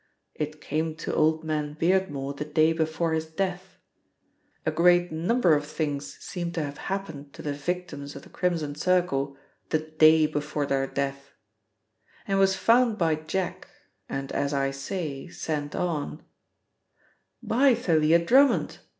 It came to old man Beardmore the day before his death a great number of things seem to have happened to the victims of the Crimson Circle the day before their death and was found by Jack and, as I say, sent on " "By Thalia Drummond!"